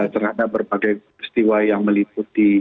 terhadap berbagai peristiwa yang meliputi